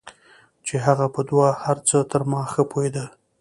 چې هغه په دو هرڅه تر ما ښه پوهېدو.